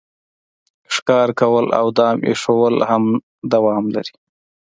ښکار کول او دام ایښودل هم دوام لري